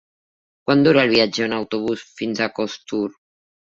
Quant dura el viatge en autobús fins a Costur?